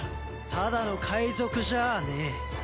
ただの海賊じゃねえ。